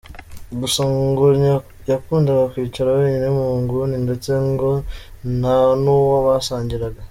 Gusa ngo yakundaga kwicara wenyine mu nguni ndetse ngo nta nuwo basangiraga.